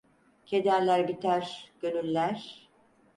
Kederler biter, gönüller?